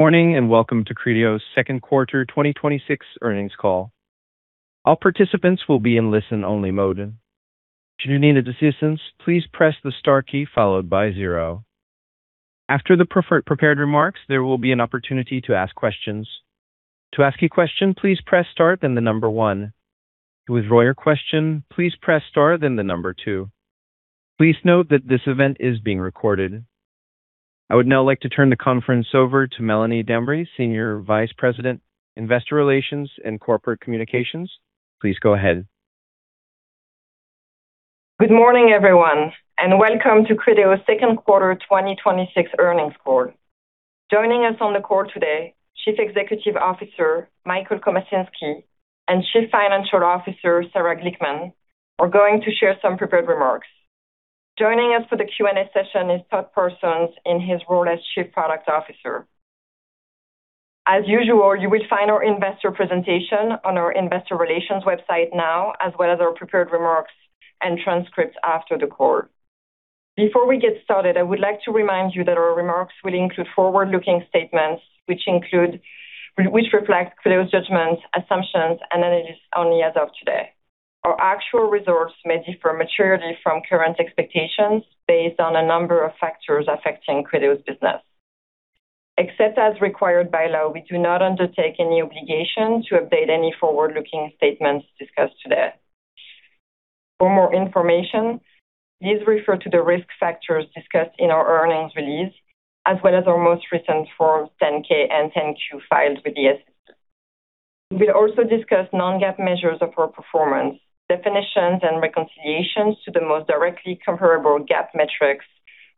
Morning, and welcome to Criteo's second quarter 2026 earnings call. All participants will be in listen-only mode. Should you need assistance, please press the star key followed by zero. After the prepared remarks, there will be an opportunity to ask questions. To ask a question, please press star then the number one. To withdraw your question, please press star then the number two. Please note that this event is being recorded. I would now like to turn the conference over to Mélanie Dambre, Senior Vice President, Investor Relations and Corporate Communications. Please go ahead. Good morning, everyone, and welcome to Criteo's second quarter 2026 earnings call. Joining us on the call today, Chief Executive Officer Michael Komasinski and Chief Financial Officer Sarah Glickman are going to share some prepared remarks. Joining us for the Q&A session is Todd Parsons in his role as Chief Product Officer. As usual, you will find our investor presentation on our Investor Relations website now, as well as our prepared remarks and transcripts after the call. Before we get started, I would like to remind you that our remarks will include forward-looking statements which reflect Criteo's judgments, assumptions, and analysis only as of today. Except as required by law, we do not undertake any obligation to update any forward-looking statements discussed today. For more information, please refer to the risk factors discussed in our earnings release as well as our most recent Form 10-K and 10-Q filed with the SEC. We'll also discuss non-GAAP measures of our performance. Definitions and reconciliations to the most directly comparable GAAP metrics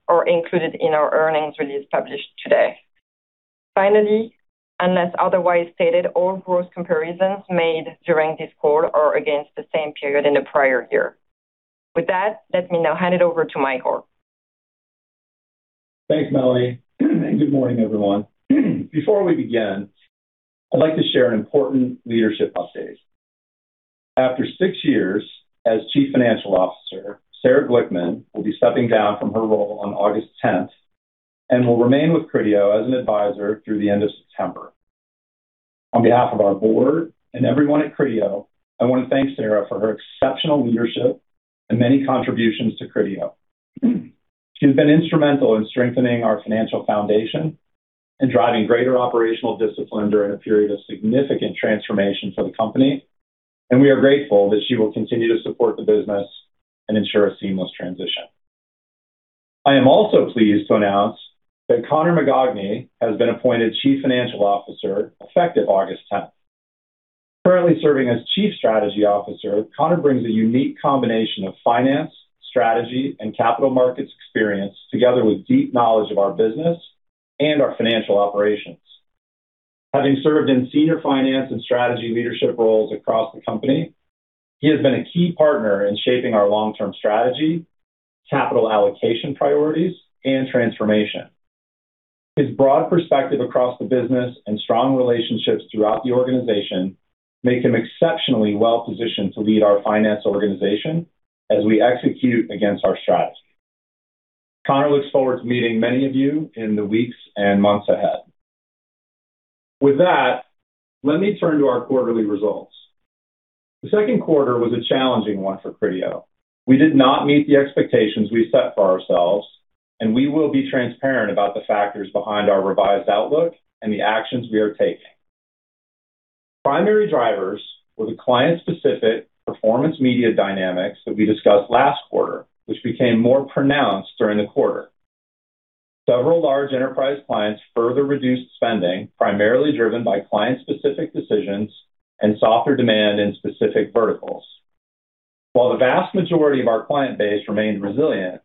are included in our earnings release published today. Finally, unless otherwise stated, all growth comparisons made during this call are against the same period in the prior year. With that, let me now hand it over to Michael. Thanks, Mélanie. Good morning, everyone. Before we begin, I'd like to share an important leadership update. After six years as Chief Financial Officer, Sarah Glickman will be stepping down from her role on August 10th and will remain with Criteo as an advisor through the end of September. On behalf of our board and everyone at Criteo, I want to thank Sarah for her exceptional leadership and many contributions to Criteo. She's been instrumental in strengthening our financial foundation and driving greater operational discipline during a period of significant transformation for the company, and we are grateful that she will continue to support the business and ensure a seamless transition. I am also pleased to announce that Connor McGogney has been appointed Chief Financial Officer effective August 10th. Currently serving as Chief Strategy Officer, Connor brings a unique combination of finance, strategy, and capital markets experience together with deep knowledge of our business and our financial operations. Having served in senior finance and strategy leadership roles across the company, he has been a key partner in shaping our long-term strategy, capital allocation priorities, and transformation. His broad perspective across the business and strong relationships throughout the organization make him exceptionally well-positioned to lead our finance organization as we execute against our strategy. Connor looks forward to meeting many of you in the weeks and months ahead. With that, let me turn to our quarterly results. The second quarter was a challenging one for Criteo. We did not meet the expectations we set for ourselves, and we will be transparent about the factors behind our revised outlook and the actions we are taking. Primary drivers were the client-specific Performance Media dynamics that we discussed last quarter, which became more pronounced during the quarter. Several large enterprise clients further reduced spending, primarily driven by client-specific decisions and softer demand in specific verticals. While the vast majority of our client base remained resilient,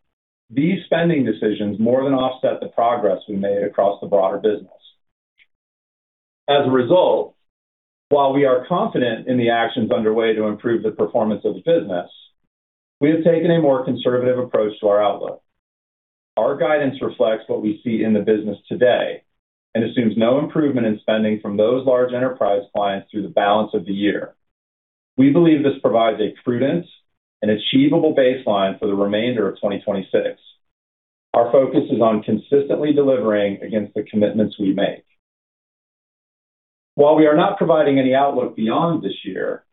these spending decisions more than offset the progress we made across the broader business. While we are confident in the actions underway to improve the performance of the business, we have taken a more conservative approach to our outlook. Our guidance reflects what we see in the business today and assumes no improvement in spending from those large enterprise clients through the balance of the year. We believe this provides a prudent and achievable baseline for the remainder of 2026. Our focus is on consistently delivering against the commitments we make. While we are not providing any outlook beyond this year,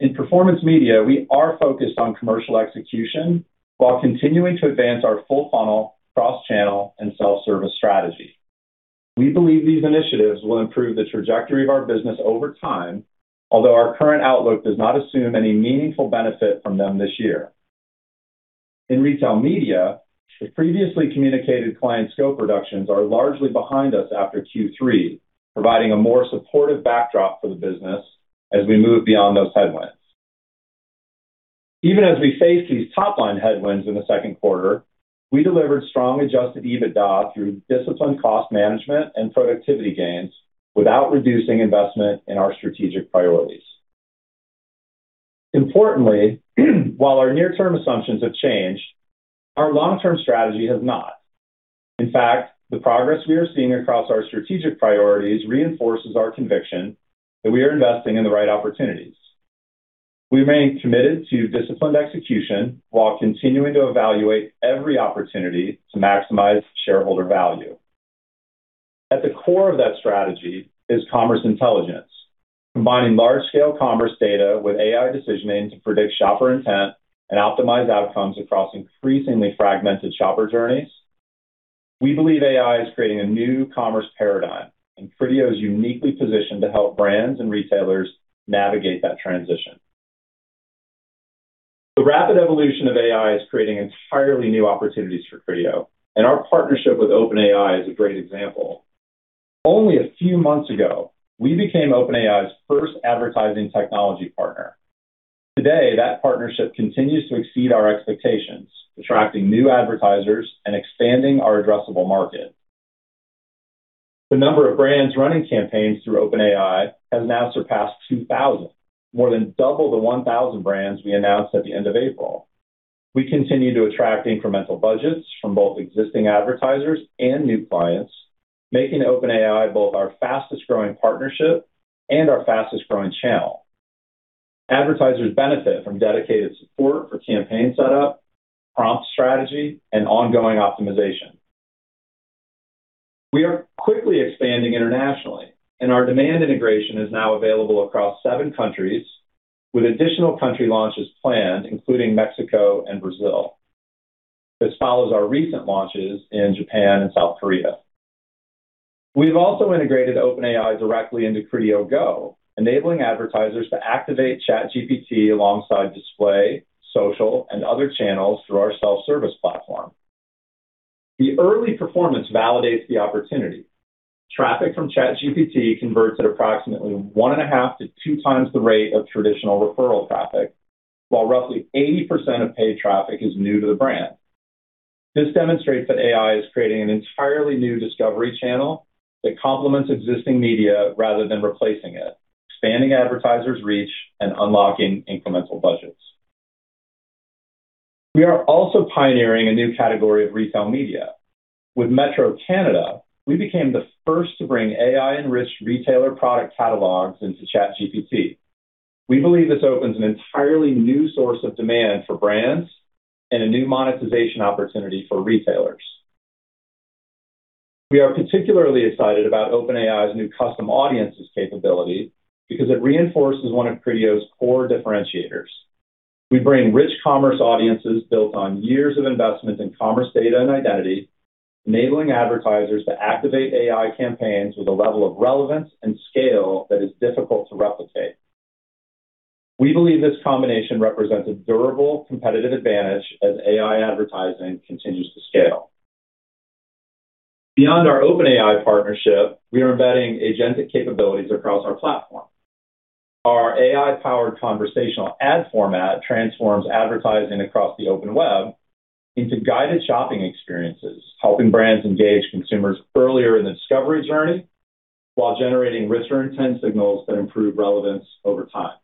in Performance Media, we are focused on commercial execution while continuing to advance our full-funnel, cross-channel, and self-service strategy. We believe these initiatives will improve the trajectory of our business over time, although our current outlook does not assume any meaningful benefit from them this year. In Retail Media, the previously communicated client scope reductions are largely behind us after Q3, providing a more supportive backdrop for the business as we move beyond those headwinds. Even as we face these top-line headwinds in the second quarter, we delivered strong Adjusted EBITDA through disciplined cost management and productivity gains without reducing investment in our strategic priorities. Importantly, while our near-term assumptions have changed, our long-term strategy has not. The progress we are seeing across our strategic priorities reinforces our conviction that we are investing in the right opportunities We remain committed to disciplined execution while continuing to evaluate every opportunity to maximize shareholder value. At the core of that strategy is Commerce Intelligence, combining large-scale commerce data with AI decisioning to predict shopper intent and optimize outcomes across increasingly fragmented shopper journeys. We believe AI is creating a new commerce paradigm, and Criteo is uniquely positioned to help brands and retailers navigate that transition. The rapid evolution of AI is creating entirely new opportunities for Criteo, and our partnership with OpenAI is a great example. Only a few months ago, we became OpenAI's first advertising technology partner. Today, that partnership continues to exceed our expectations, attracting new advertisers and expanding our addressable market. The number of brands running campaigns through OpenAI has now surpassed 2,000, more than double the 1,000 brands we announced at the end of April. We continue to attract incremental budgets from both existing advertisers and new clients, making OpenAI both our fastest-growing partnership and our fastest-growing channel. Advertisers benefit from dedicated support for campaign setup, prompt strategy, and ongoing optimization. We are quickly expanding internationally, and our demand integration is now available across seven countries, with additional country launches planned, including Mexico and Brazil. This follows our recent launches in Japan and South Korea. We've also integrated OpenAI directly into Criteo GO, enabling advertisers to activate ChatGPT alongside display, social, and other channels through our self-service platform. The early performance validates the opportunity. Traffic from ChatGPT converts at approximately one and a half to two times the rate of traditional referral traffic, while roughly 80% of paid traffic is new to the brand. This demonstrates that AI is creating an entirely new discovery channel that complements existing media rather than replacing it, expanding advertisers' reach and unlocking incremental budgets. We are also pioneering a new category of Retail Media. With Metro Inc., we became the first to bring AI-enriched retailer product catalogs into ChatGPT. We believe this opens an entirely new source of demand for brands and a new monetization opportunity for retailers. We are particularly excited about OpenAI's new Custom Audiences capability because it reinforces one of Criteo's core differentiators. We bring rich commerce audiences built on years of investment in commerce data and identity, enabling advertisers to activate AI campaigns with a level of relevance and scale that is difficult to replicate. We believe this combination represents a durable competitive advantage as AI advertising continues to scale. Beyond our OpenAI partnership, we are embedding agentic capabilities across our platform. Our AI-powered conversational ad format transforms advertising across the open web into guided shopping experiences, helping brands engage consumers earlier in the discovery journey while generating richer intent signals that improve relevance over time.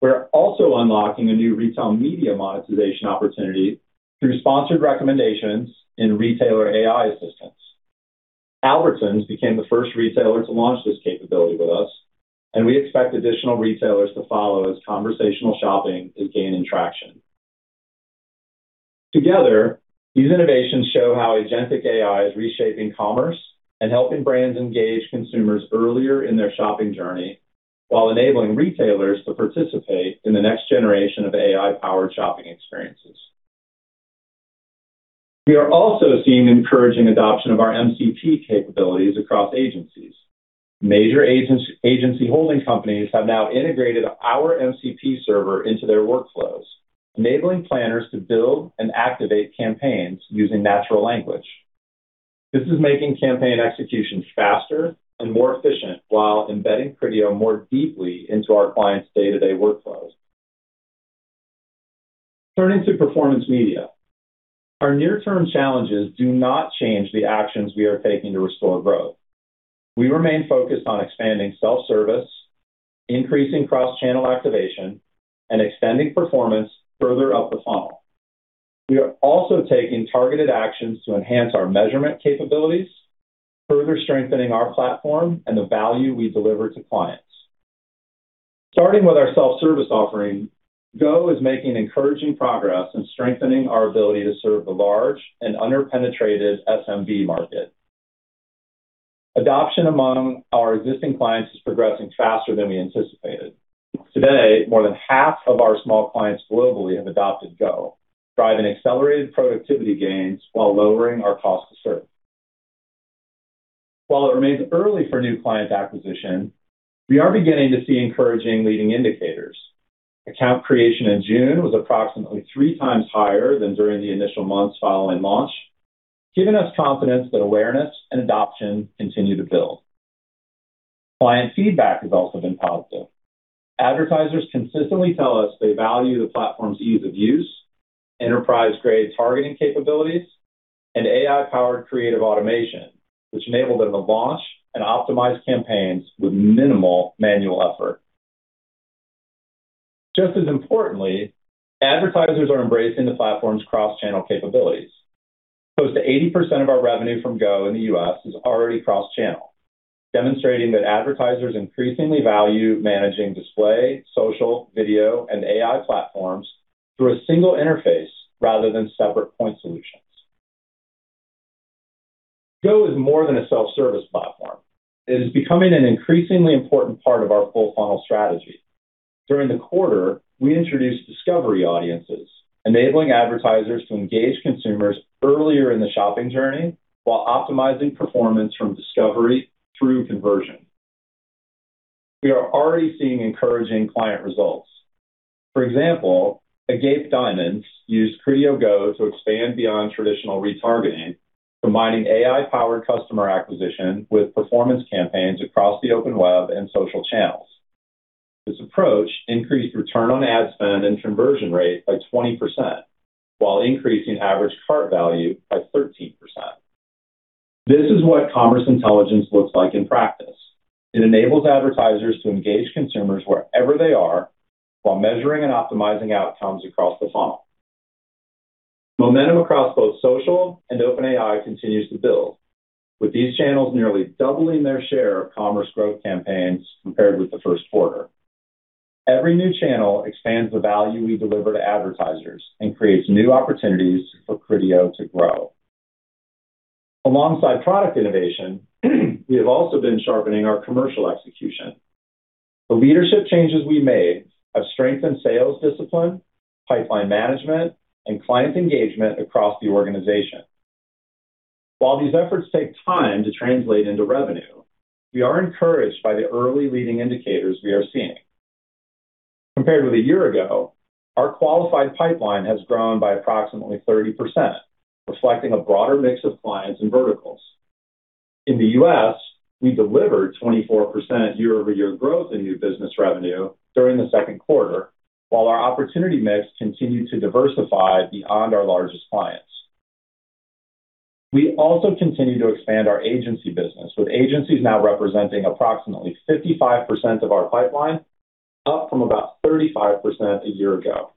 We're also unlocking a new Retail Media monetization opportunity through sponsored recommendations in retailer AI assistants. Albertsons became the first retailer to launch this capability with us, and we expect additional retailers to follow as conversational shopping is gaining traction. Together, these innovations show how agentic AI is reshaping commerce and helping brands engage consumers earlier in their shopping journey while enabling retailers to participate in the next generation of AI-powered shopping experiences. We are also seeing encouraging adoption of our MCP capabilities across agencies. Major agency holding companies have now integrated our MCP server into their workflows, enabling planners to build and activate campaigns using natural language. This is making campaign execution faster and more efficient while embedding Criteo more deeply into our clients' day-to-day workflows. Turning to Performance Media, our near-term challenges do not change the actions we are taking to restore growth. We remain focused on expanding self-service, increasing cross-channel activation, and extending performance further up the funnel. We are also taking targeted actions to enhance our measurement capabilities, further strengthening our platform and the value we deliver to clients. Starting with our self-service offering, GO is making encouraging progress in strengthening our ability to serve the large and under-penetrated SMB market. Adoption among our existing clients is progressing faster than we anticipated. Today, more than half of our small clients globally have adopted GO, driving accelerated productivity gains while lowering our cost to serve. While it remains early for new client acquisition, we are beginning to see encouraging leading indicators. Account creation in June was approximately 3x higher than during the initial months following launch, giving us confidence that awareness and adoption continue to build. Client feedback has also been positive. Advertisers consistently tell us they value the platform's ease of use, enterprise-grade targeting capabilities, and AI-powered creative automation, which enable them to launch and optimize campaigns with minimal manual effort. Just as importantly, advertisers are embracing the platform's cross-channel capabilities. Close to 80% of our revenue from GO in the U.S. is already cross-channel, demonstrating that advertisers increasingly value managing display, social, video, and AI platforms through a single interface rather than separate point solutions. GO is more than a self-service platform. It is becoming an increasingly important part of our full funnel strategy. During the quarter, we introduced Discovery Audiences, enabling advertisers to engage consumers earlier in the shopping journey while optimizing performance from discovery through conversion. We are already seeing encouraging client results. For example, Agape Diamonds used Criteo GO to expand beyond traditional retargeting, combining AI-powered customer acquisition with performance campaigns across the open web and social channels. This approach increased return on ad spend and conversion rate by 20% while increasing average cart value by 13%. This is what commerce intelligence looks like in practice. It enables advertisers to engage consumers wherever they are while measuring and optimizing outcomes across the funnel. Momentum across both social and OpenAI continues to build, with these channels nearly doubling their share of Commerce Growth campaigns compared with the first quarter. Every new channel expands the value we deliver to advertisers and creates new opportunities for Criteo to grow. Alongside product innovation, we have also been sharpening our commercial execution. The leadership changes we made have strengthened sales discipline, pipeline management, and client engagement across the organization. While these efforts take time to translate into revenue, we are encouraged by the early leading indicators we are seeing. Compared with a year ago, our qualified pipeline has grown by approximately 30%, reflecting a broader mix of clients and verticals. In the U.S., we delivered 24% year-over-year growth in new business revenue during the second quarter, while our opportunity mix continued to diversify beyond our largest clients. We also continue to expand our agency business, with agencies now representing approximately 55% of our pipeline, up from about 35% a year ago.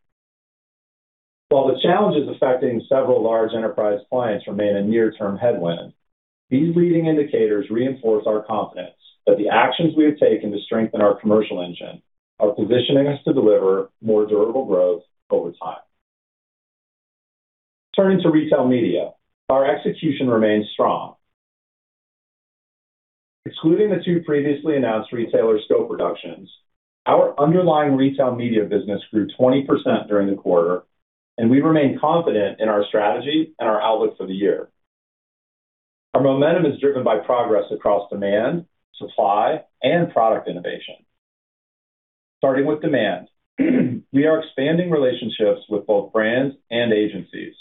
While the challenges affecting several large enterprise clients remain a near-term headwind, these leading indicators reinforce our confidence that the actions we have taken to strengthen our commercial engine are positioning us to deliver more durable growth over time. Turning to Retail Media, our execution remains strong. Excluding the two previously announced retailer scope reductions, our underlying Retail Media business grew 20% during the quarter, and we remain confident in our strategy and our outlook for the year. Our momentum is driven by progress across demand, supply, and product innovation. Starting with demand, we are expanding relationships with both brands and agencies.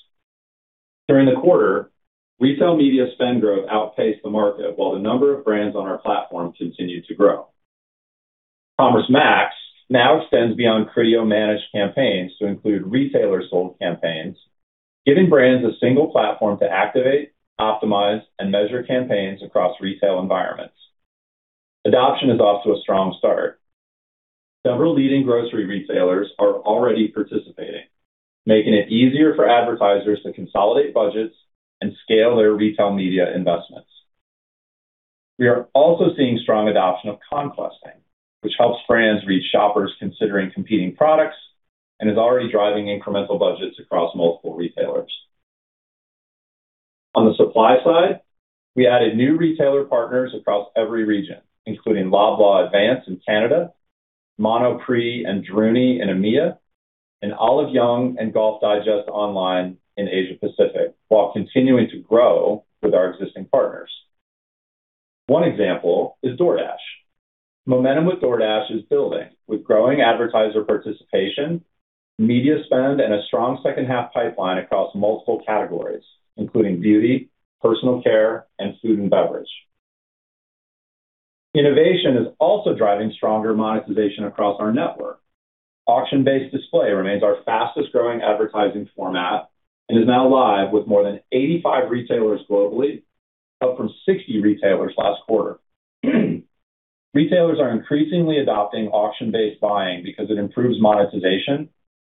During the quarter, Retail Media spend growth outpaced the market while the number of brands on our platform continued to grow. Commerce Max now extends beyond Criteo-managed campaigns to include retailer-sold campaigns, giving brands a single platform to activate, optimize, and measure campaigns across retail environments. Adoption is off to a strong start. Several leading grocery retailers are already participating, making it easier for advertisers to consolidate budgets and scale their Retail Media investments. We are also seeing strong adoption of conquesting, which helps brands reach shoppers considering competing products and is already driving incremental budgets across multiple retailers. On the supply side, we added new retailer partners across every region, including Loblaw Advance in Canada, Monoprix and Druni in EMEA, and Olive Young and Golf Digest Online in Asia-Pacific, while continuing to grow with our existing partners. One example is DoorDash. Momentum with DoorDash is building, with growing advertiser participation, media spend, and a strong second-half pipeline across multiple categories, including beauty, personal care, and food and beverage. Innovation is also driving stronger monetization across our network. Auction-Based Display remains our fastest-growing advertising format and is now live with more than 85 retailers globally, up from 60 retailers last quarter. Retailers are increasingly adopting auction-based buying because it improves monetization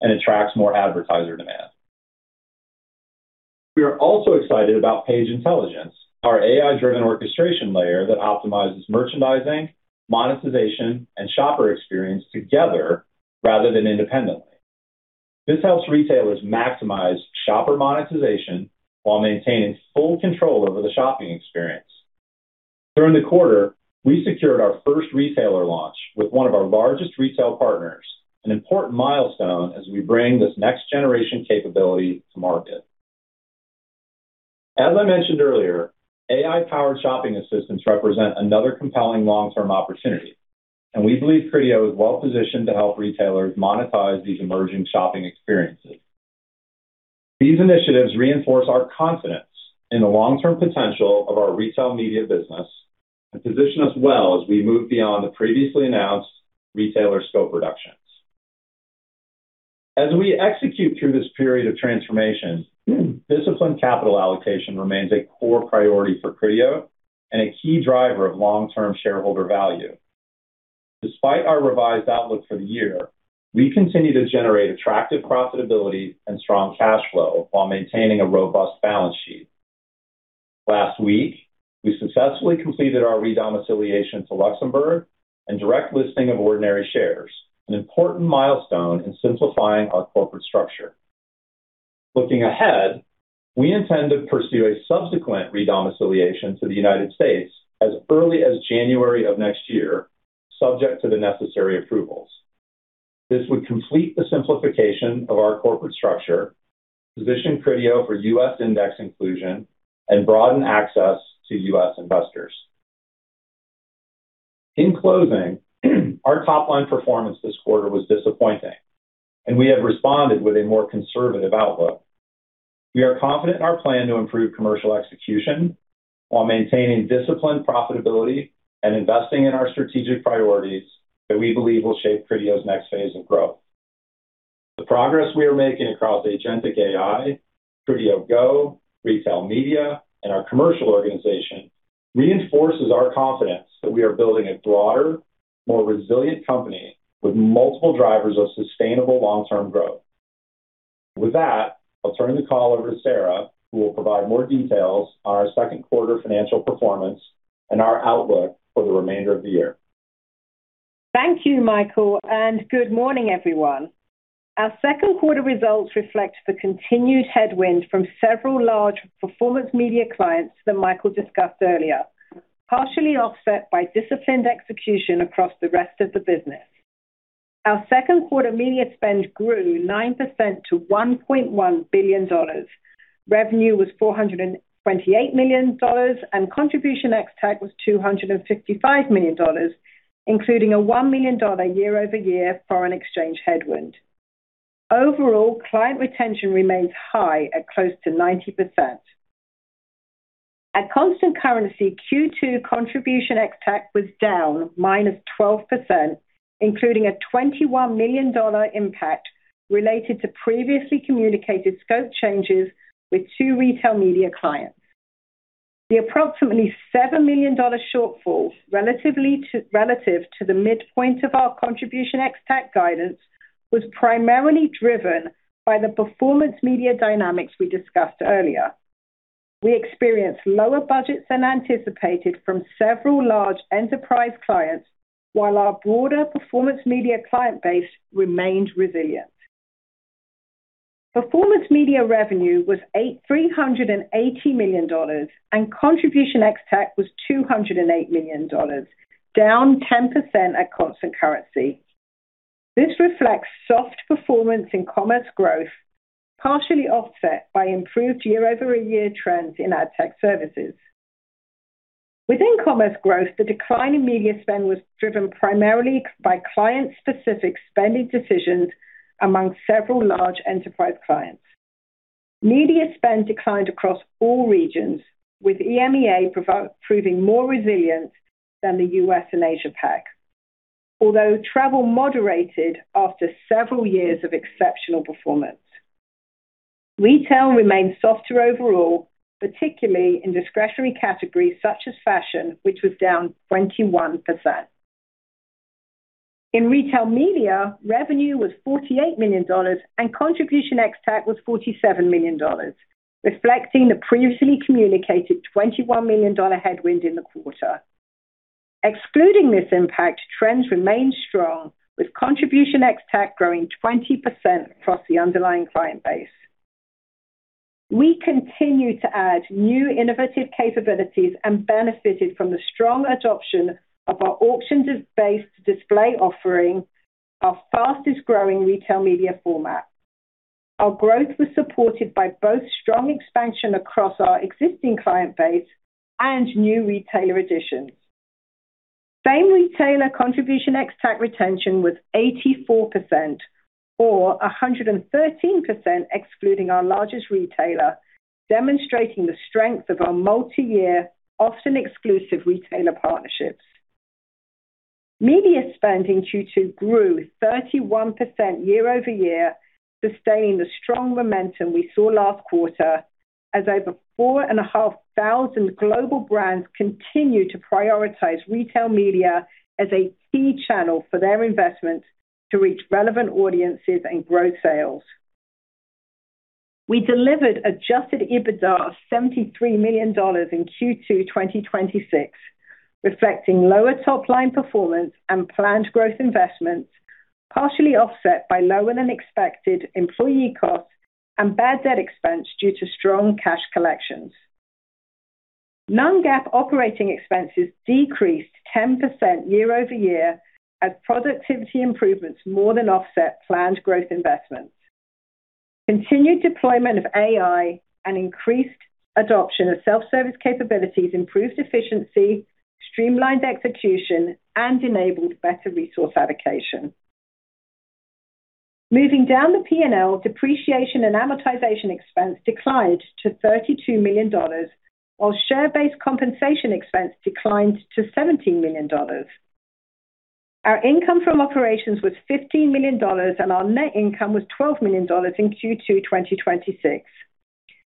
and attracts more advertiser demand. We are also excited about Page Intelligence, our AI-driven orchestration layer that optimizes merchandising, monetization, and shopper experience together rather than independently. This helps retailers maximize shopper monetization while maintaining full control over the shopping experience. During the quarter, we secured our first retailer launch with one of our largest retail partners, an important milestone as we bring this next-generation capability to market. As I mentioned earlier, AI-powered shopping assistants represent another compelling long-term opportunity, and we believe Criteo is well-positioned to help retailers monetize these emerging shopping experiences. These initiatives reinforce our confidence in the long-term potential of our Retail Media business and position us well as we move beyond the previously announced retailer scope reductions. As we execute through this period of transformation, disciplined capital allocation remains a core priority for Criteo and a key driver of long-term shareholder value. Despite our revised outlook for the year, we continue to generate attractive profitability and strong cash flow while maintaining a robust balance sheet. Last week, we successfully completed our redomiciliation to Luxembourg and direct listing of ordinary shares, an important milestone in simplifying our corporate structure. Looking ahead, we intend to pursue a subsequent redomiciliation to the U.S. as early as January of next year, subject to the necessary approvals. This would complete the simplification of our corporate structure, position Criteo for U.S. index inclusion, and broaden access to U.S. investors. In closing, our top-line performance this quarter was disappointing, and we have responded with a more conservative outlook. We are confident in our plan to improve commercial execution while maintaining disciplined profitability and investing in our strategic priorities that we believe will shape Criteo's next phase of growth. The progress we are making across agentic AI, Criteo GO, Retail Media, and our commercial organization reinforces our confidence that we are building a broader, more resilient company with multiple drivers of sustainable long-term growth. With that, I'll turn the call over to Sarah, who will provide more details on our second quarter financial performance and our outlook for the remainder of the year. Thank you, Michael, and good morning, everyone. Our second quarter results reflect the continued headwind from several large Performance Media clients that Michael discussed earlier, partially offset by disciplined execution across the rest of the business. Our second quarter media spend grew 9% to $1.1 billion. Revenue was $428 million, and Contribution ex-TAC was $255 million, including a $1 million year-over-year foreign exchange headwind. Overall, client retention remains high at close to 90%. At constant currency, Q2 Contribution ex-TAC was down -12%, including a $21 million impact related to previously communicated scope changes with two Retail Media clients. The approximately $7 million shortfall relative to the midpoint of our Contribution ex-TAC guidance was primarily driven by the Performance Media dynamics we discussed earlier. We experienced lower budgets than anticipated from several large enterprise clients, while our broader Performance Media client base remained resilient. Performance Media revenue was $380 million, and Contribution ex-TAC was $208 million, down 10% at constant currency. This reflects soft performance in Commerce Growth, partially offset by improved year-over-year trends in AdTech services. Within Commerce Growth, the decline in media spend was driven primarily by client-specific spending decisions among several large enterprise clients. Media spend declined across all regions, with EMEA proving more resilient than the U.S. and Asia-Pac, although travel moderated after several years of exceptional performance. Retail remained softer overall, particularly in discretionary categories such as fashion, which was down 21%. In Retail Media, revenue was $48 million, and Contribution ex-TAC was $47 million, reflecting the previously communicated $21 million headwind in the quarter. Excluding this impact, trends remained strong, with Contribution ex-TAC growing 20% across the underlying client base. We continue to add new innovative capabilities and benefited from the strong adoption of our Auction-Based Display offering, our fastest-growing Retail Media format. Our growth was supported by both strong expansion across our existing client base and new retailer additions. Same retailer Contribution ex-TAC retention was 84%, or 113% excluding our largest retailer, demonstrating the strength of our multi-year, often exclusive retailer partnerships. Media spending Q2 grew 31% year-over-year, sustaining the strong momentum we saw last quarter as over 4,500 global brands continue to prioritize Retail Media as a key channel for their investments to reach relevant audiences and grow sales. We delivered Adjusted EBITDA of $73 million in Q2 2026, reflecting lower top-line performance and planned growth investments, partially offset by lower-than-expected employee costs and bad debt expense due to strong cash collections. Non-GAAP operating expenses decreased 10% year-over-year as productivity improvements more than offset planned growth investments. Continued deployment of AI and increased adoption of self-service capabilities improved efficiency, streamlined execution, and enabled better resource allocation. Moving down the P&L, depreciation and amortization expense declined to $32 million, while share-based compensation expense declined to $17 million. Our income from operations was $15 million, and our net income was $12 million in Q2 2026.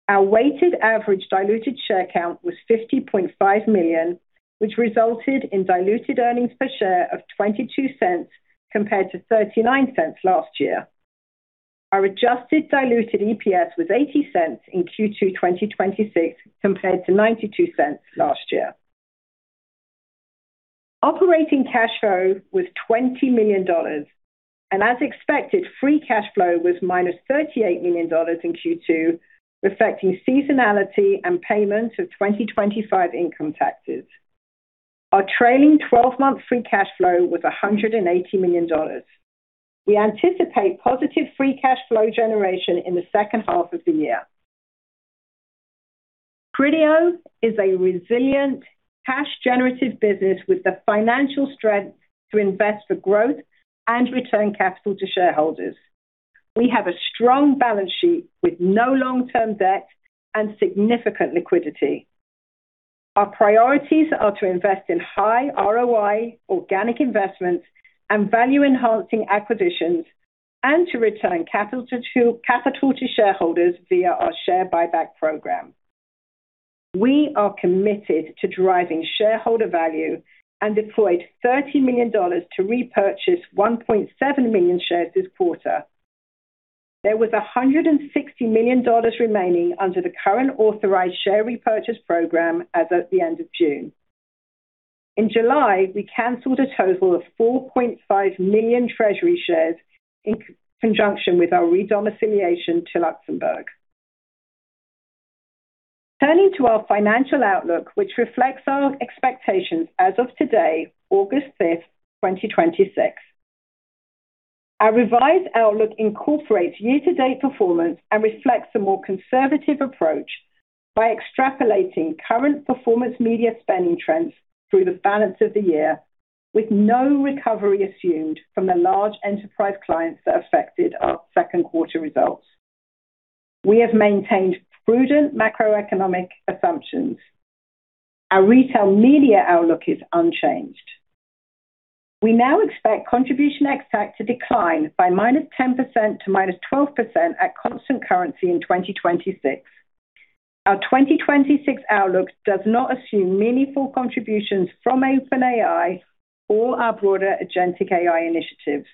Our weighted average diluted share count was 50.5 million, which resulted in diluted earnings per share of $0.22 compared to $0.39 last year. Our adjusted diluted EPS was $0.80 in Q2 2026 compared to $0.92 last year. Operating cash flow was $20 million, and as expected, free cash flow was -$38 million in Q2, reflecting seasonality and payments of 2025 income taxes. Our trailing 12-month free cash flow was $180 million. We anticipate positive free cash flow generation in the second half of the year. Criteo is a resilient cash generative business with the financial strength to invest for growth and return capital to shareholders. We have a strong balance sheet with no long-term debt and significant liquidity. Our priorities are to invest in high ROI organic investments and value-enhancing acquisitions, and to return capital to shareholders via our share buyback program. We are committed to driving shareholder value and deployed $30 million to repurchase 1.7 million shares this quarter. There was $160 million remaining under the current authorized share repurchase program as at the end of June. In July, we canceled a total of 4.5 million treasury shares in conjunction with our redomiciliation to Luxembourg. Turning to our financial outlook, which reflects our expectations as of today, August 5th, 2026. Our revised outlook incorporates year-to-date performance and reflects a more conservative approach by extrapolating current Performance Media spending trends through the balance of the year with no recovery assumed from the large enterprise clients that affected our second quarter results. We have maintained prudent macroeconomic assumptions. Our Retail Media outlook is unchanged. We now expect contribution ex-TAC to decline by -10% to -12% at constant currency in 2026. Our 2026 outlook does not assume meaningful contributions from OpenAI or our broader agentic AI initiatives.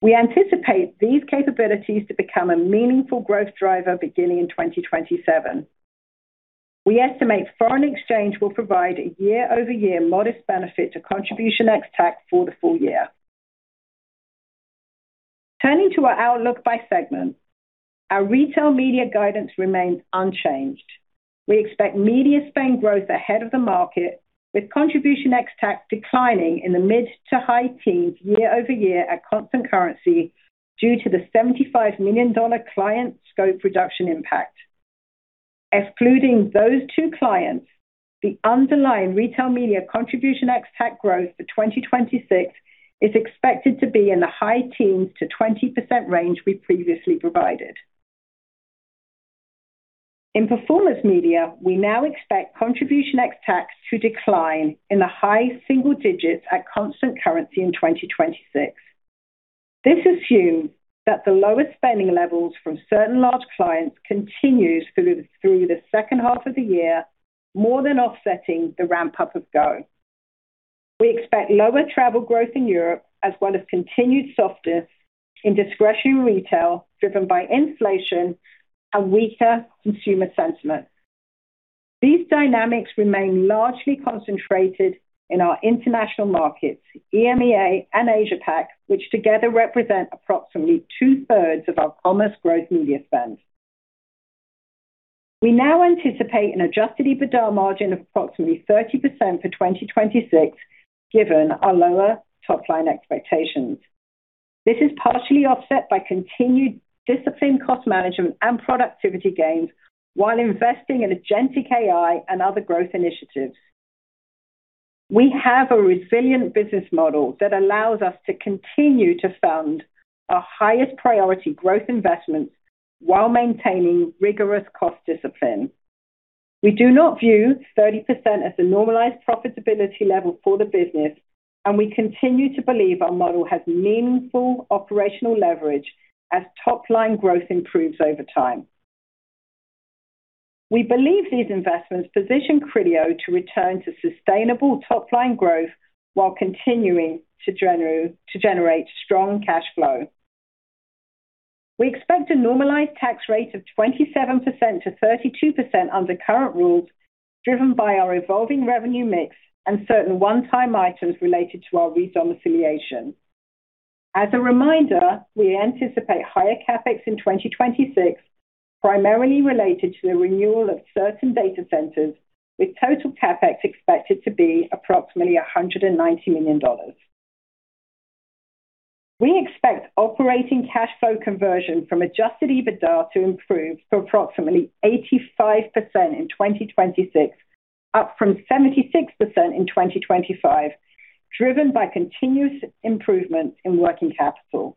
We anticipate these capabilities to become a meaningful growth driver beginning in 2027. We estimate foreign exchange will provide a year-over-year modest benefit to contribution ex-TAC for the full year. Turning to our outlook by segment, our Retail Media guidance remains unchanged. We expect media spend growth ahead of the market, with contribution ex-TAC declining in the mid to high teens year-over-year at constant currency due to the $75 million client scope reduction impact. Excluding those two clients, the underlying Retail Media contribution ex-TAC growth for 2026 is expected to be in the high teens to 20% range we previously provided. In Performance Media, we now expect contribution ex-TAC to decline in the high single digits at constant currency in 2026. This assumes that the lower spending levels from certain large clients continues through the second half of the year, more than offsetting the ramp-up of Go. We expect lower travel growth in Europe as well as continued softness in discretionary retail, driven by inflation and weaker consumer sentiment. These dynamics remain largely concentrated in our international markets, EMEA and Asia-Pac, which together represent approximately two-thirds of our Commerce Growth media spend. We now anticipate an Adjusted EBITDA margin of approximately 30% for 2026, given our lower top-line expectations. This is partially offset by continued disciplined cost management and productivity gains, while investing in agentic AI and other growth initiatives. We have a resilient business model that allows us to continue to fund our highest priority growth investments while maintaining rigorous cost discipline. We do not view 30% as a normalized profitability level for the business, and we continue to believe our model has meaningful operational leverage as top-line growth improves over time. We believe these investments position Criteo to return to sustainable top-line growth while continuing to generate strong cash flow. We expect a normalized tax rate of 27%-32% under current rules, driven by our evolving revenue mix and certain one-time items related to our redomiciliation. As a reminder, we anticipate higher CapEx in 2026, primarily related to the renewal of certain data centers, with total CapEx expected to be approximately $190 million. We expect operating cash flow conversion from Adjusted EBITDA to improve to approximately 85% in 2026, up from 76% in 2025, driven by continuous improvements in working capital.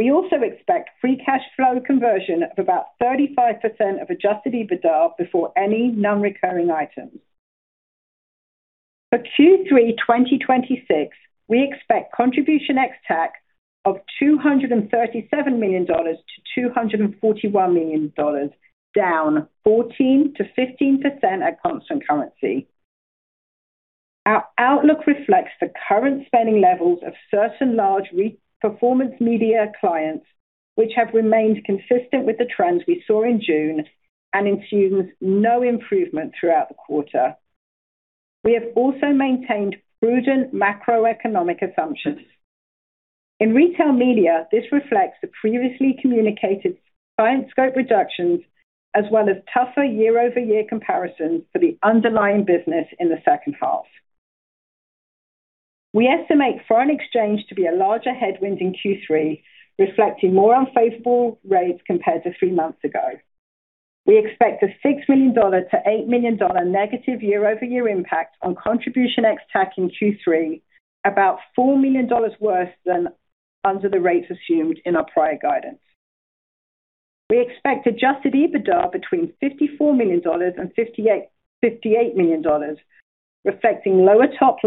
We also expect free cash flow conversion of about 35% of Adjusted EBITDA before any non-recurring items. For Q3 2026, we expect Contribution ex-TAC of $237 million-$241 million, down 14%-15% at constant currency. Our outlook reflects the current spending levels of certain large Performance Media clients, which have remained consistent with the trends we saw in June and assumes no improvement throughout the quarter. We have also maintained prudent macroeconomic assumptions. In Retail Media, this reflects the previously communicated client scope reductions, as well as tougher year-over-year comparisons for the underlying business in the second half. We estimate foreign exchange to be a larger headwind in Q3, reflecting more unfavorable rates compared to three months ago. We expect a $6 million-$8 million negative year-over-year impact on Contribution ex-TAC in Q3, about $4 million worse than under the rates assumed in our prior guidance. We expect Adjusted EBITDA between $54 million and $58 million, reflecting lower top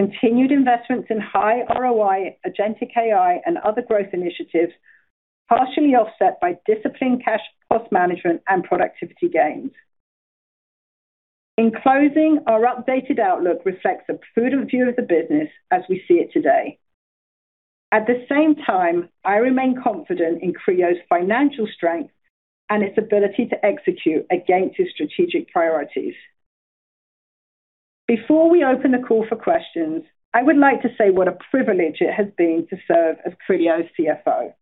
line, continued investments in high ROI, agentic AI, and other growth initiatives, partially offset by disciplined cash cost management and productivity gains. In closing, our updated outlook reflects a prudent view of the business as we see it today. At the same time, I remain confident in Criteo's financial strength and its ability to execute against its strategic priorities. Before we open the call for questions, I would like to say what a privilege it has been to serve as Criteo's CFO.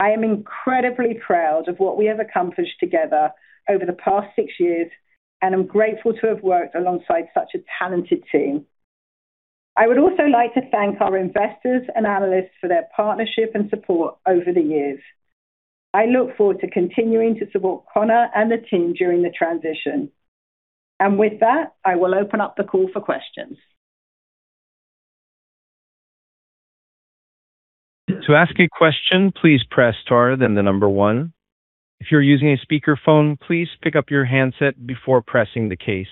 I am incredibly proud of what we have accomplished together over the past six years, and I'm grateful to have worked alongside such a talented team. I would also like to thank our investors and analysts for their partnership and support over the years. I look forward to continuing to support Connor and the team during the transition. With that, I will open up the call for questions. To ask a question, please press star, then the number one. If you're using a speakerphone, please pick up your handset before pressing the case.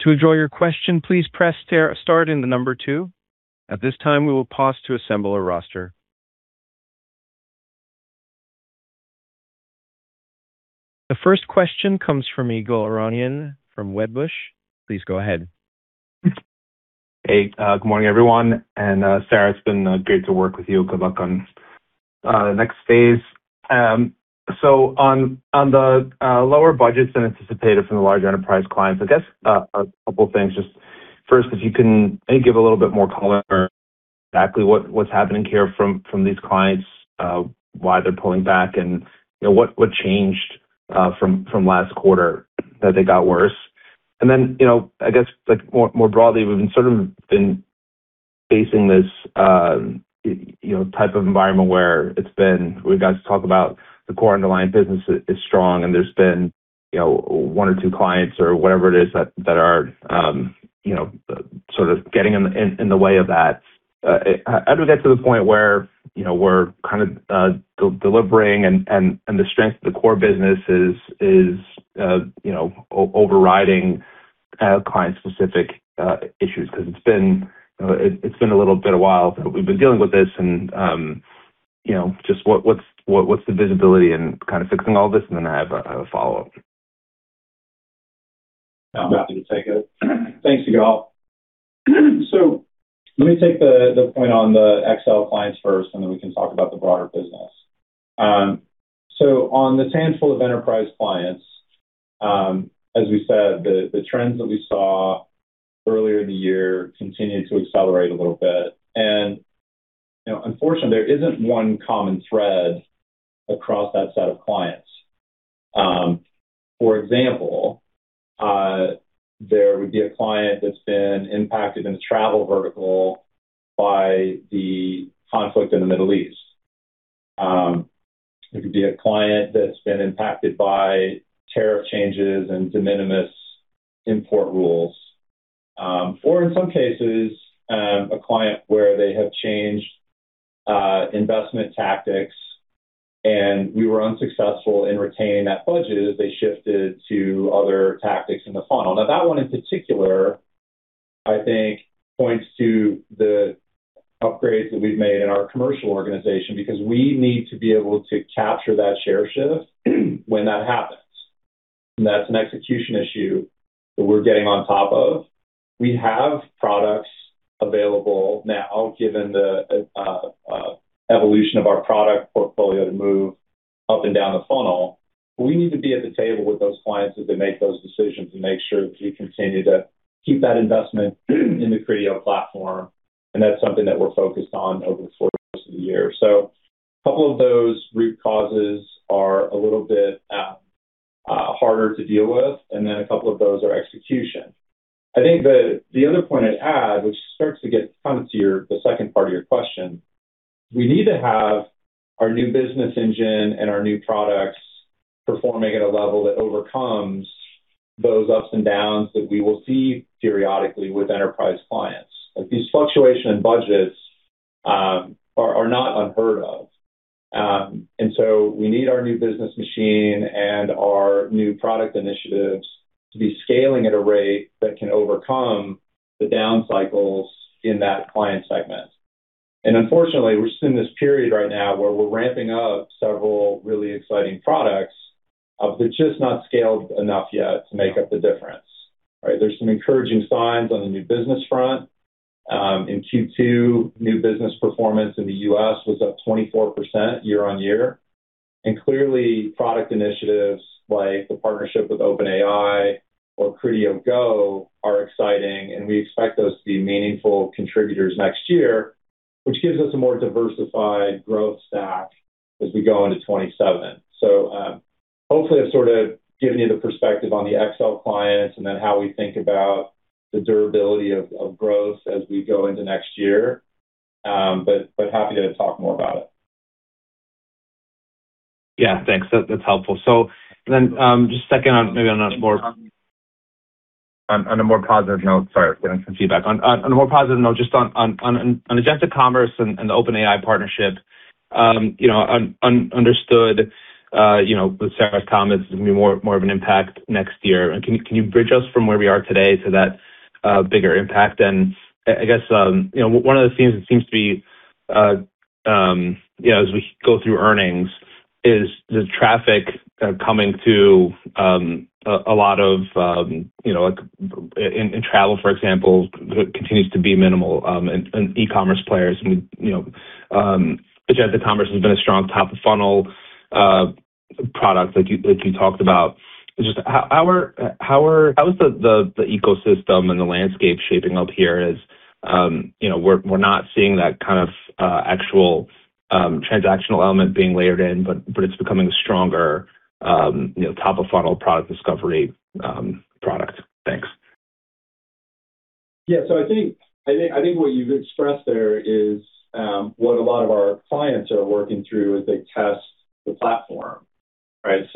To withdraw your question, please press star then the number two. At this time, we will pause to assemble a roster. The first question comes from Ygal Arounian from Wedbush. Please go ahead. Good morning, everyone. Sarah, it's been great to work with you. Good luck on the next phase. On the lower budgets than anticipated from the large enterprise clients, a couple of things. First, if you can maybe give a little bit more color exactly what's happening here from these clients, why they're pulling back and what changed from last quarter that they got worse. More broadly, we've been facing this type of environment where we've got to talk about the core underlying business is strong, and there's been one or two clients or whatever it is that are sort of getting in the way of that. How do we get to the point where we're kind of delivering and the strength of the core business is overriding client-specific issues? It's been a little bit a while, but we've been dealing with this and just what's the visibility and kind of fixing all this? I have a follow-up. I'm happy to take it. Thanks, Ygal. Let me take the point on the XL clients first, and then we can talk about the broader business. On the handful of enterprise clients, as we said, the trends that we saw earlier in the year continued to accelerate a little bit. Unfortunately, there isn't one common thread across that set of clients. For example, there would be a client that's been impacted in the travel vertical by the conflict in the Middle East. It could be a client that's been impacted by tariff changes and de minimis import rules. In some cases, a client where they have changed investment tactics and we were unsuccessful in retaining that budget as they shifted to other tactics in the funnel. That one in particular points to the upgrades that we've made in our commercial organization, because we need to be able to capture that share shift when that happens. That's an execution issue that we're getting on top of. We have products available now, given the evolution of our product portfolio to move up and down the funnel. We need to be at the table with those clients as they make those decisions and make sure that we continue to keep that investment in the Criteo platform, and that's something that we're focused on over the course of the year. A couple of those root causes are a little bit harder to deal with, a couple of those are execution. I think the other point I'd add, which starts to get, kind of to the second part of your question, we need to have our new business engine and our new products performing at a level that overcomes those ups and downs that we will see periodically with enterprise clients. These fluctuations in budgets are not unheard of. We need our new business machine and our new product initiatives to be scaling at a rate that can overcome the down cycles in that client segment. Unfortunately, we're just in this period right now where we're ramping up several really exciting products that just not scaled enough yet to make up the difference. There's some encouraging signs on the new business front. In Q2, new business performance in the U.S. was up 24% year-over-year. Clearly product initiatives like the partnership with OpenAI or Criteo GO are exciting, and we expect those to be meaningful contributors next year, which gives us a more diversified growth stack as we go into 2027. Hopefully I've sort of given you the perspective on the XL clients and then how we think about the durability of growth as we go into next year. Happy to talk more about it. Yeah, thanks. That's helpful. Just second on, maybe on a more positive note. Sorry, getting some feedback. On a more positive note, just on the Commerce Growth and the OpenAI partnership, understood with Sarah's comments, it's going to be more of an impact next year. Can you bridge us from where we are today to that bigger impact? One of the things that seems to be, as we go through earnings, is the traffic coming to a lot of, in travel, for example, continues to be minimal, and e-commerce players, Commerce Growth has been a strong top-of-funnel product that you talked about. Just how is the ecosystem and the landscape shaping up here as we're not seeing that kind of actual transactional element being layered in, but it's becoming a stronger top-of-funnel product discovery product. Thanks. Yeah. I think what you've expressed there is what a lot of our clients are working through as they test the platform. They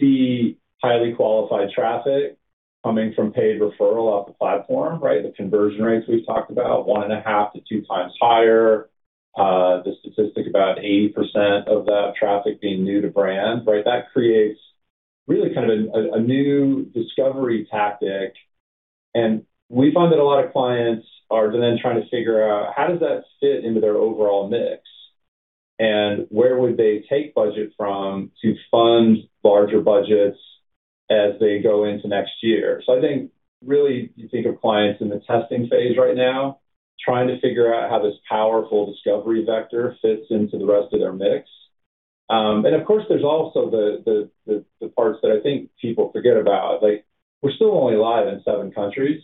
see highly qualified traffic coming from paid referral off the platform. The conversion rates we've talked about, 1.5x-2x higher. The statistic about 80% of that traffic being new to brand. That creates really a new discovery tactic, and we find that a lot of clients are then trying to figure out how does that fit into their overall mix, and where would they take budget from to fund larger budgets as they go into next year. I think really you think of clients in the testing phase right now trying to figure out how this powerful discovery vector fits into the rest of their mix. Of course, there is also the parts that I think people forget about. We are still only live in seven countries.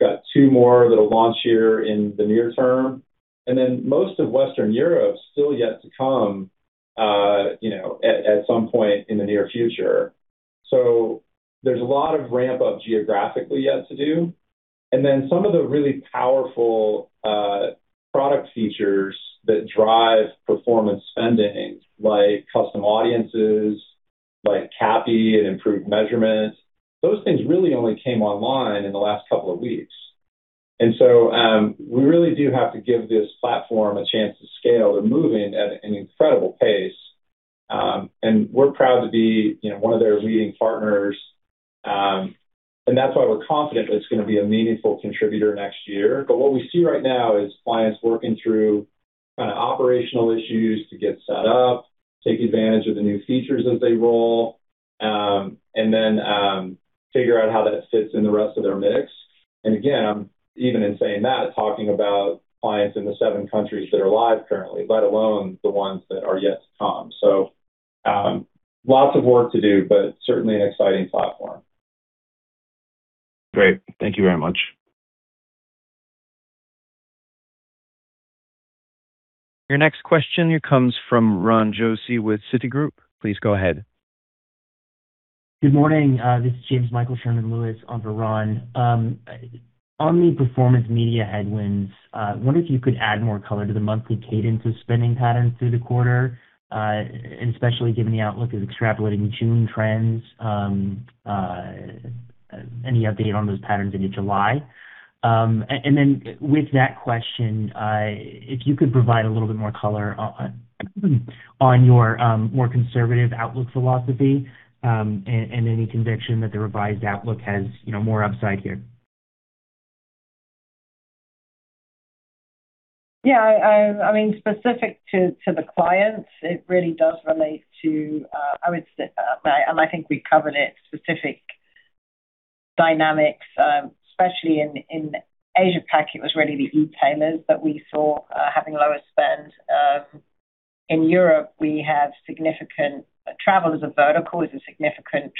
We have two more that will launch here in the near term, and then most of Western Europe is still yet to come, at some point in the near future. There is a lot of ramp up geographically yet to do, and then some of the really powerful product features that drive performance spending, like Custom Audiences, like CAPI and improved measurements, those things really only came online in the last couple of weeks. We really do have to give this platform a chance to scale. They are moving at an incredible pace, and we are proud to be one of their leading partners. That is why we are confident that it is going to be a meaningful contributor next year. What we see right now is clients working through kind of operational issues to get set up, take advantage of the new features as they roll, and then figure out how that fits in the rest of their mix. Again, even in saying that, talking about clients in the seven countries that are live currently, let alone the ones that are yet to come. Lots of work to do, but certainly an exciting platform. Great. Thank you very much. Your next question comes from Ron Josey with Citigroup. Please go ahead. Good morning. This is Jamesmichael Sherman-Lewis on for Ron. On the Performance Media headwinds, I wonder if you could add more color to the monthly cadence of spending patterns through the quarter, especially given the outlook of extrapolating June trends. Any update on those patterns into July? With that question, if you could provide a little bit more color on your more conservative outlook philosophy, and any conviction that the revised outlook has more upside here. Yeah. Specific to the clients, it really does relate to, and I think we covered it, specific dynamics, especially in Asia-Pac, it was really the e-tailers that we saw having lower spend. In Europe, travel as a vertical was a significant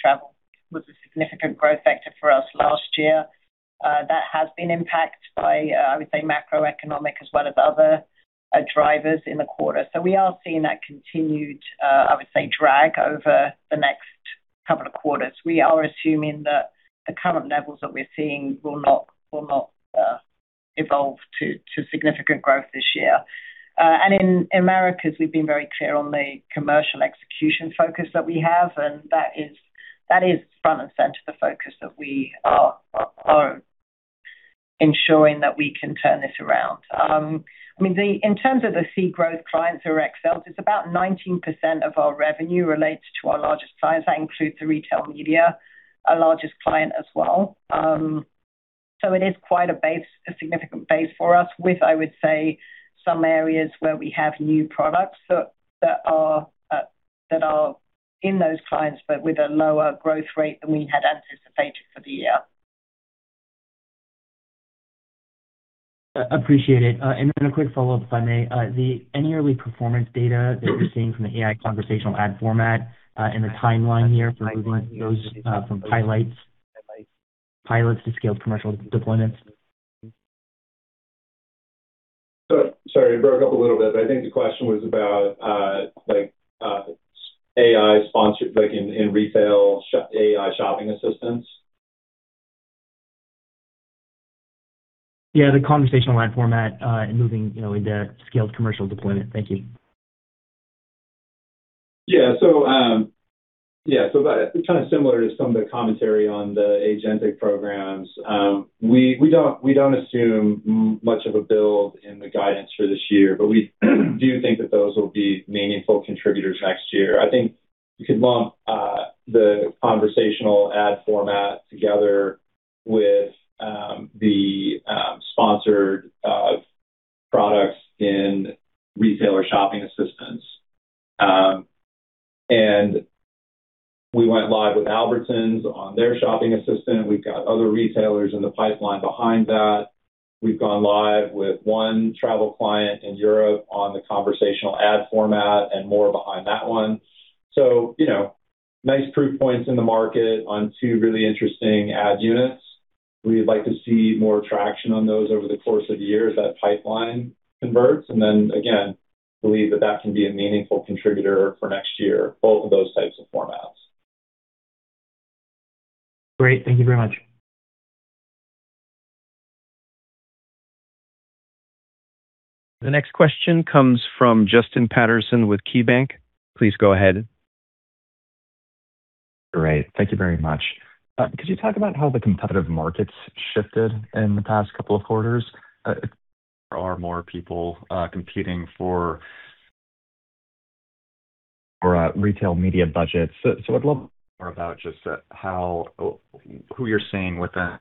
growth vector for us last year. That has been impacted by, I would say, macroeconomic as well as other drivers in the quarter. We are seeing that continued, I would say, drag over the next couple of quarters. We are assuming that the current levels that we're seeing will not evolve to significant growth this year. In Americas, we've been very clear on the commercial execution focus that we have, and that is front and center the focus that we are on ensuring that we can turn this around. In terms of the seed growth clients who are excelled, it's about 19% of our revenue relates to our largest clients. That includes the Retail Media, our largest client as well. It is quite a significant base for us with, I would say, some areas where we have new products that are in those clients, but with a lower growth rate than we had anticipated for the year. Appreciate it. A quick follow-up, if I may. The annual performance data that we're seeing from the AI conversational ad format and the timeline here for movement goes from pilots to scaled commercial deployments. Sorry, it broke up a little bit. I think the question was about AI sponsored in retail AI shopping assistants. The conversational ad format and moving into scaled commercial deployment. Thank you. Kind of similar to some of the commentary on the agentic programs. We don't assume much of a build in the guidance for this year. We do think that those will be meaningful contributors next year. I think you could lump the conversational ad format together with the sponsored products in retailer shopping assistants. We went live with Albertsons on their shopping assistant. We've got other retailers in the pipeline behind that. We've gone live with one travel client in Europe on the conversational ad format, and more behind that one. Nice proof points in the market on two really interesting ad units. We'd like to see more traction on those over the course of the year as that pipeline converts, and then again, believe that can be a meaningful contributor for next year, both of those types of formats. Great. Thank you very much. The next question comes from Justin Patterson with KeyBanc. Please go ahead. Great. Thank you very much. Could you talk about how the competitive markets shifted in the past couple of quarters? Are more people competing for Retail Media budgets? I'd love more about just who you're seeing with the...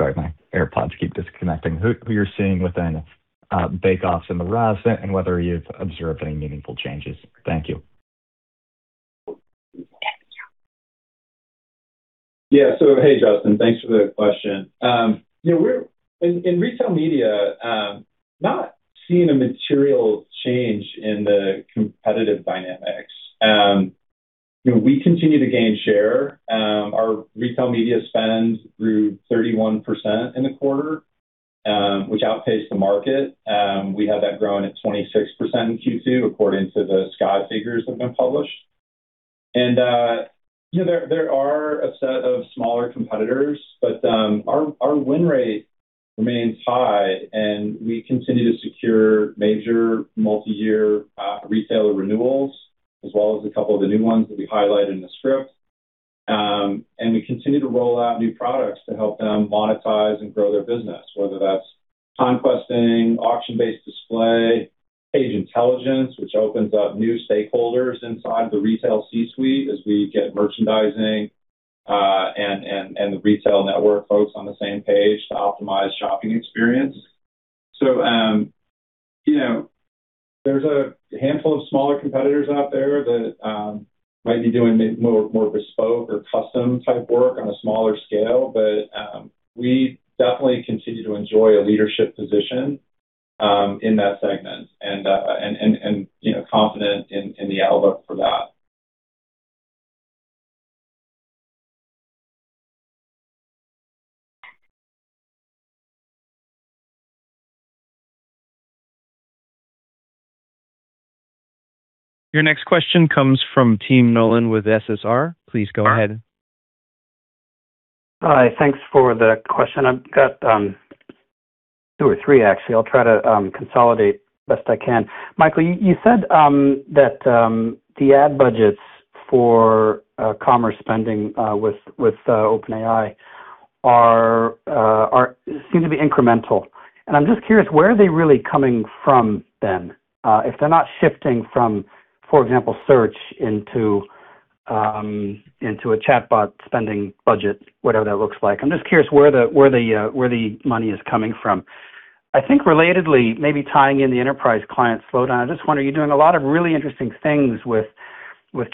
Sorry, my AirPods keep disconnecting. Who you're seeing within bake-offs and the rest, and whether you've observed any meaningful changes. Thank you. Yeah. Hey, Justin. Thanks for the question. In Retail Media, not seeing a material change in the competitive dynamics. We continue to gain share. Our Retail Media spend grew 31% in the quarter, which outpaced the market. We had that growing at 26% in Q2, according to the Skai figures that have been published. There are a set of smaller competitors, but our win rate remains high, and we continue to secure major multi-year retailer renewals, as well as a couple of the new ones that we highlight in the script. We continue to roll out new products to help them monetize and grow their business, whether that's conquesting, Auction-Based Display, Page Intelligence, which opens up new stakeholders inside the retail C-suite as we get merchandising, and the retail network folks on the same page to optimize shopping experience. There's a handful of smaller competitors out there that might be doing more bespoke or custom type work on a smaller scale. We definitely continue to enjoy a leadership position in that segment and confident in the outlook for that. Your next question comes from Tim Nollen with SSR. Please go ahead. Hi. Thanks for the question. I've got two or three, actually. I'll try to consolidate best I can. Michael, you said that the ad budgets for commerce spending with OpenAI seem to be incremental. I'm just curious, where are they really coming from then? If they're not shifting from, for example, search into a chatbot spending budget, whatever that looks like. I'm just curious where the money is coming from. I think relatedly, maybe tying in the enterprise client slowdown. I just wonder, you're doing a lot of really interesting things with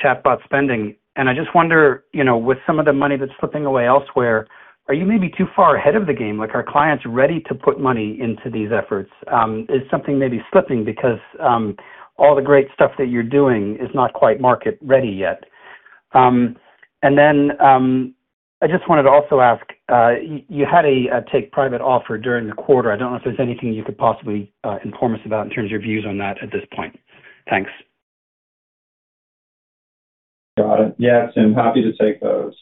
chatbot spending, and I just wonder, with some of the money that's slipping away elsewhere, are you maybe too far ahead of the game? Are clients ready to put money into these efforts? Is something maybe slipping because all the great stuff that you're doing is not quite market-ready yet? I just wanted to also ask, you had a take private offer during the quarter. I don't know if there's anything you could possibly inform us about in terms of your views on that at this point. Thanks. Got it. Yeah, Tim, happy to take those.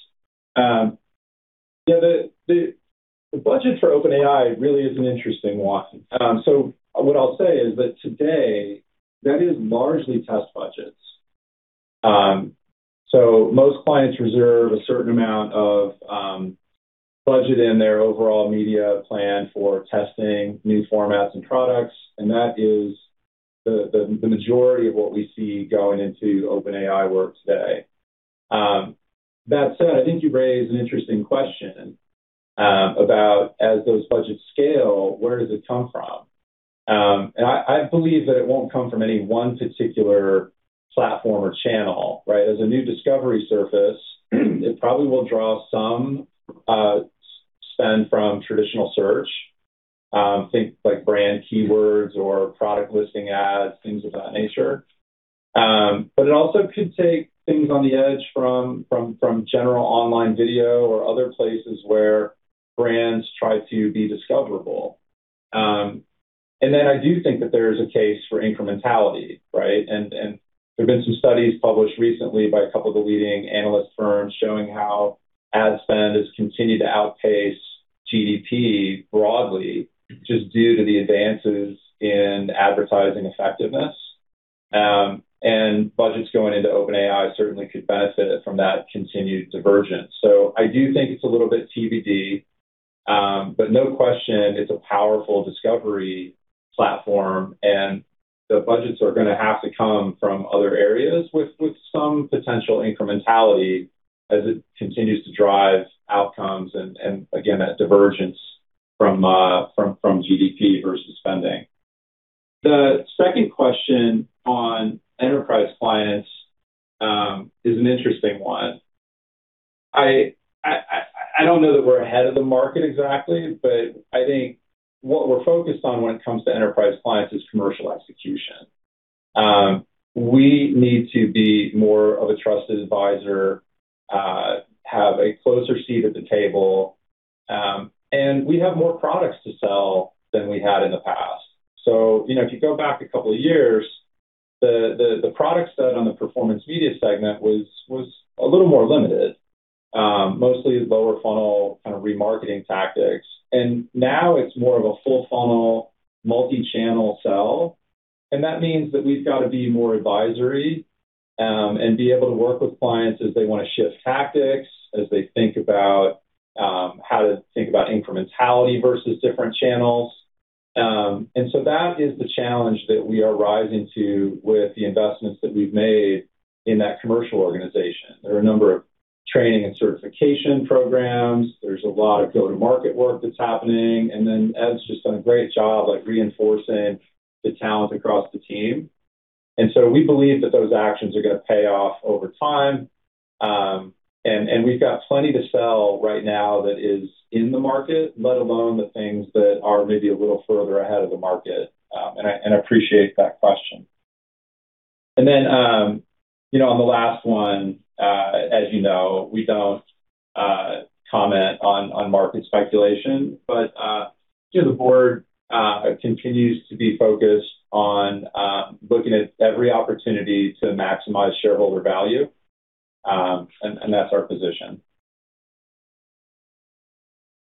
What I'll say is that today, that is largely test budgets. Most clients reserve a certain amount of budget in their overall media plan for testing new formats and products, and that is the majority of what we see going into OpenAI work today. That said, I think you raise an interesting question about, as those budgets scale, where does it come from? I believe that it won't come from any one particular platform or channel, right? As a new discovery surface, it probably will draw some spend from traditional search, think like brand keywords or product listing ads, things of that nature. It also could take things on the edge from general online video or other places where brands try to be discoverable. I do think that there is a case for incrementality, right? There have been some studies published recently by a couple of the leading analyst firms showing how ad spend has continued to outpace GDP broadly, just due to the advances in advertising effectiveness. Budgets going into OpenAI certainly could benefit from that continued divergence. I do think it's a little bit TBD, but no question, it's a powerful discovery platform, and the budgets are going to have to come from other areas with some potential incrementality as it continues to drive outcomes and, again, that divergence from GDP versus spending. The second question on enterprise clients is an interesting one. I don't know that we're ahead of the market exactly, but I think what we're focused on when it comes to enterprise clients is commercial execution. We need to be more of a trusted advisor, have a closer seat at the table, and we have more products to sell than we had in the past. If you go back a couple of years, the product set on the Performance Media segment was a little more limited, mostly lower-funnel kind of remarketing tactics. Now it's more of a full-funnel, multi-channel sell, and that means that we've got to be more advisory, and be able to work with clients as they want to shift tactics, as they think about how to think about incrementality versus different channels. That is the challenge that we are rising to with the investments that we've made in that commercial organization. There are a number of training and certification programs. There's a lot of go-to-market work that's happening, Ed's just done a great job reinforcing the talent across the team. We believe that those actions are going to pay off over time. We've got plenty to sell right now that is in the market, let alone the things that are maybe a little further ahead of the market. I appreciate that question. On the last one, as you know, we don't comment on market speculation, but the board continues to be focused on looking at every opportunity to maximize shareholder value, and that's our position.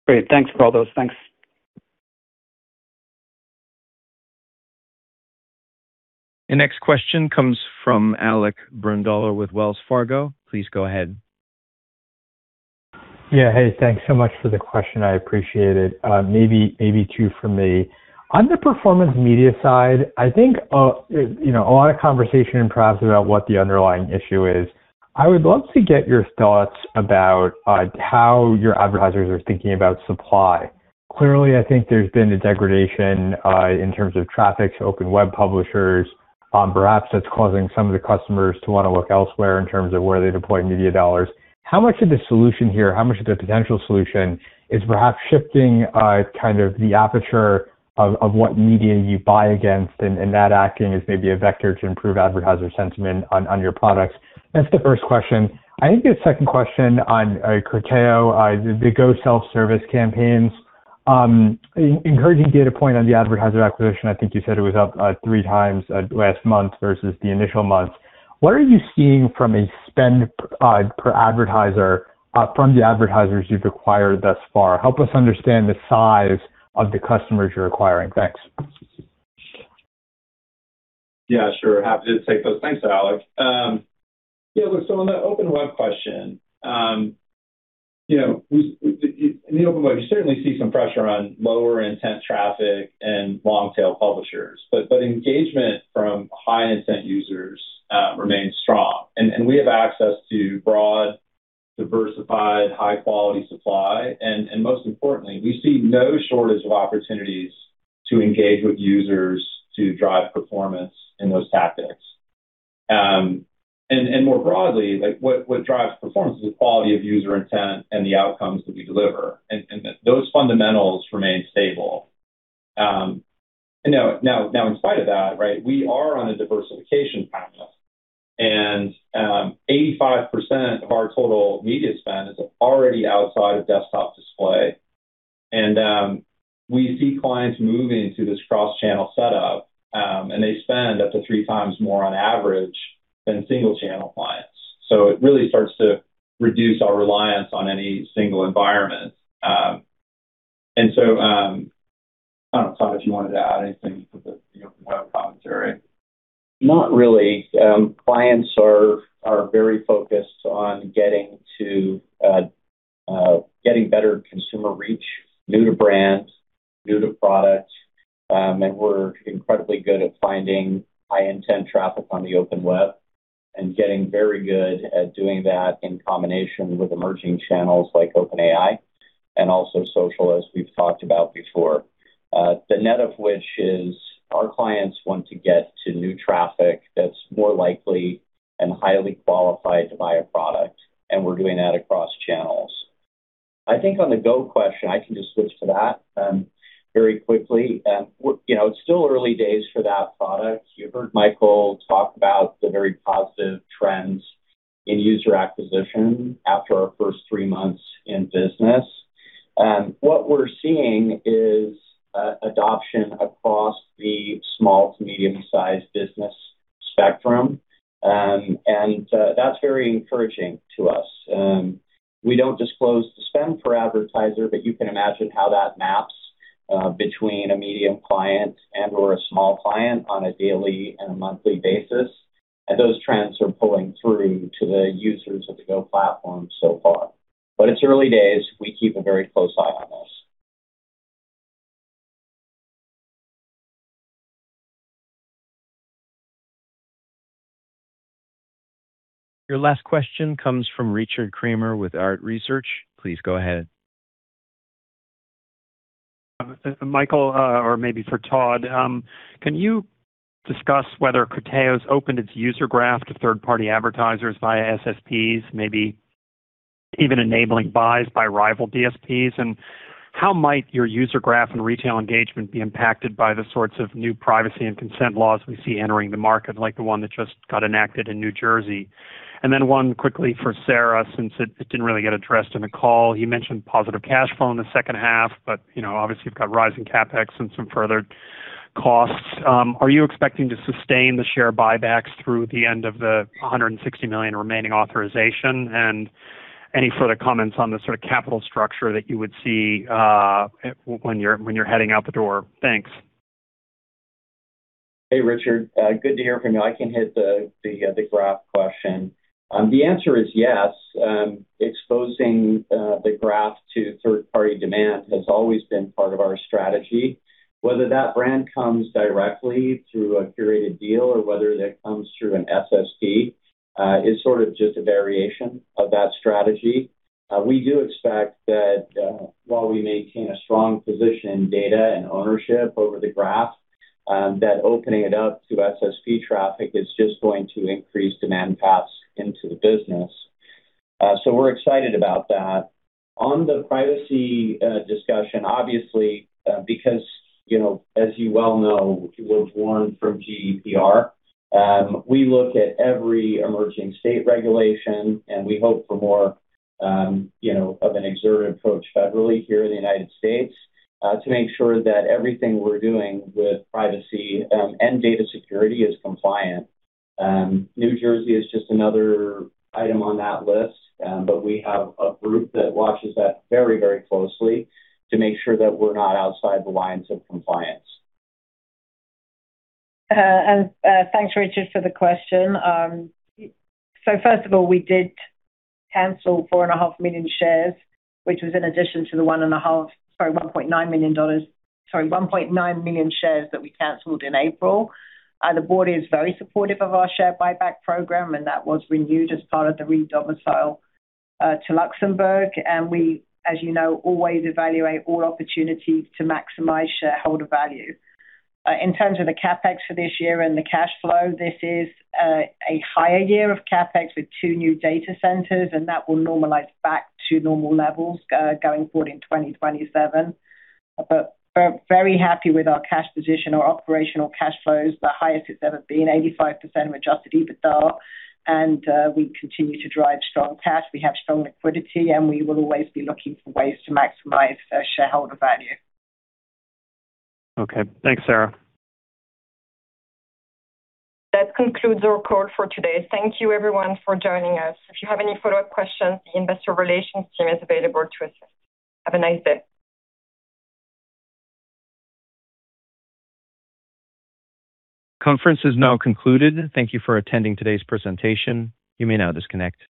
Great. Thanks for all those. Thanks. The next question comes from Alec Brondolo with Wells Fargo. Please go ahead. Yeah. Hey, thanks so much for the question. I appreciate it. Maybe two from me. On the Performance Media side, I think a lot of conversation, perhaps, about what the underlying issue is. I would love to get your thoughts about how your advertisers are thinking about supply. Clearly, I think there's been a degradation in terms of traffic to open web publishers. Perhaps that's causing some of the customers to want to look elsewhere in terms of where they deploy media dollars. How much of the solution here, how much of the potential solution is perhaps shifting kind of the aperture of what media you buy against and that acting as maybe a vector to improve advertiser sentiment on your products? That's the first question. I think the second question on Criteo, the Criteo GO self-service campaigns, encouraging data point on the advertiser acquisition. I think you said it was up 3x last month versus the initial month. What are you seeing from a spend per advertiser from the advertisers you've acquired thus far? Help us understand the size of the customers you're acquiring. Thanks. Yeah, sure. Happy to take those. Thanks, Alec. Yeah, look, on the open web question, in the open web, you certainly see some pressure on lower intent traffic and long-tail publishers. Engagement from high-intent users remains strong, and we have access to broad, diversified, high-quality supply, and most importantly, we see no shortage of opportunities to engage with users to drive performance in those tactics. More broadly, what drives performance is the quality of user intent and the outcomes that we deliver, and those fundamentals remain stable. Now in spite of that, we are on a diversification path, 85% of our total media spend is already outside of desktop display. We see clients moving to this cross-channel setup, and they spend up to 3x more on average than single-channel clients. It really starts to reduce our reliance on any single environment I don't know, Todd, if you wanted to add anything to the web commentary. Not really. Clients are very focused on getting better consumer reach, new to brands, new to products, and we're incredibly good at finding high-intent traffic on the open web and getting very good at doing that in combination with emerging channels like OpenAI and also social, as we've talked about before. The net of which is our clients want to get to new traffic that's more likely and highly qualified to buy a product, and we're doing that across channels. I think on the Go question, I can just switch to that very quickly. It's still early days for that product. You heard Michael talk about the very positive trends in user acquisition after our first three months in business. What we're seeing is adoption across the small to medium-sized business spectrum, and that's very encouraging to us. We don't disclose the spend per advertiser, but you can imagine how that maps between a medium client and/or a small client on a daily and a monthly basis. Those trends are pulling through to the users of the Go platform so far. It's early days. We keep a very close eye on this. Your last question comes from Richard Kramer with Arete Research. Please go ahead. Michael, or maybe for Todd, can you discuss whether Criteo's opened its user graph to third-party advertisers via SSPs, maybe even enabling buys by rival DSPs? How might your user graph and retail engagement be impacted by the sorts of new privacy and consent laws we see entering the market, like the one that just got enacted in New Jersey? One quickly for Sarah, since it didn't really get addressed in the call. You mentioned positive cash flow in the second half, but obviously you've got rising CapEx and some further costs. Are you expecting to sustain the share buybacks through the end of the $160 million remaining authorization? Any further comments on the sort of capital structure that you would see when you're heading out the door? Thanks. Hey, Richard. Good to hear from you. I can hit the graph question. The answer is yes. Exposing the graph to third-party demand has always been part of our strategy. Whether that brand comes directly through a curated deal or whether that comes through an SSP is sort of just a variation of that strategy. We do expect that while we maintain a strong position in data and ownership over the graph, that opening it up to SSP traffic is just going to increase demand paths into the business. We're excited about that. On the privacy discussion, obviously, because as you well know, you were born from GDPR, we look at every emerging state regulation, and we hope for more of an exertive approach federally here in the U.S. to make sure that everything we're doing with privacy and data security is compliant. New Jersey is just another item on that list, we have a group that watches that very closely to make sure that we're not outside the lines of compliance. Thanks, Richard, for the question. First of all, we did cancel 4.5 million shares, which was in addition to the 1.9 million shares that we canceled in April. The board is very supportive of our share buyback program, and that was renewed as part of the redomicile to Luxembourg. We, as you know, always evaluate all opportunities to maximize shareholder value. In terms of the CapEx for this year and the cash flow, this is a higher year of CapEx with two new data centers, and that will normalize back to normal levels going forward in 2027. We're very happy with our cash position, our operational cash flows, the highest it's ever been, 85% of Adjusted EBITDA, and we continue to drive strong cash. We have strong liquidity, and we will always be looking for ways to maximize shareholder value. Okay. Thanks, Sarah. That concludes our call for today. Thank you everyone for joining us. If you have any follow-up questions, the Investor Relations team is available to assist. Have a nice day. Conference is now concluded. Thank you for attending today's presentation. You may now disconnect.